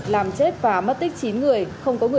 làm chết hai mươi hai người